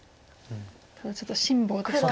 ただちょっと辛抱ですか。